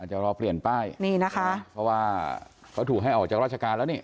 จะรอเปลี่ยนป้ายนี่นะคะเพราะว่าเขาถูกให้ออกจากราชการแล้วนี่